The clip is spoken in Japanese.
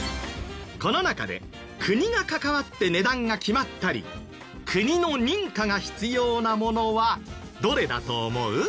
この中で国が関わって値段が決まったり国の認可が必要なものはどれだと思う？